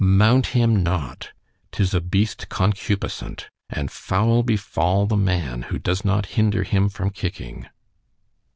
—mount him not:—'tis a beast concupiscent—and foul befal the man, who does not hinder him from kicking.